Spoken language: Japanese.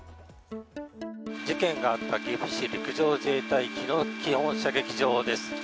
事件があった岐阜市陸上自衛隊、日野基本射撃場です。